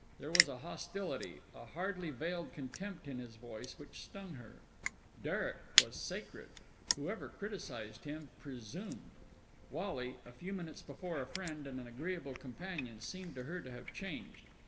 There was a hostility, a hardly veiled contempt in his voice which stung her. Derek was sacred. Whoever criticised him, presumed. Wally, a few minutes before a friend and an agreeable companion, seemed to her to have changed.